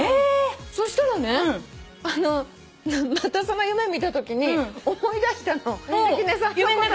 そしたらねまたその夢見たときに思い出したの関根さんのこと。